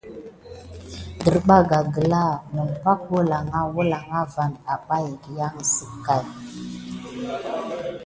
Derbaga gla i nəmpa wəlanga nampa balak nawa awaniɓa ginzek.